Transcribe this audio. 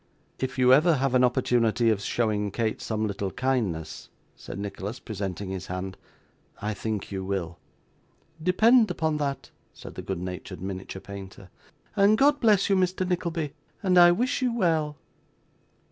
'If you ever have an opportunity of showing Kate some little kindness,' said Nicholas, presenting his hand, 'I think you will.' 'Depend upon that,' said the good natured miniature painter; 'and God bless you, Mr. Nickleby; and I wish you well.